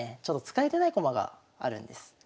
ちょっと使えてない駒があるんです。